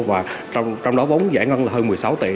và trong đó vốn giải ngân là hơn một mươi sáu tỷ